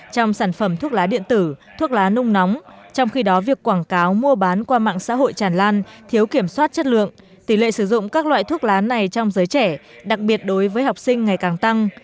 trong sản phẩm thuốc lá điện tử thuốc lá nung nóng trong khi đó việc quảng cáo mua bán qua mạng xã hội tràn lan thiếu kiểm soát chất lượng tỷ lệ sử dụng các loại thuốc lá này trong giới trẻ đặc biệt đối với học sinh ngày càng tăng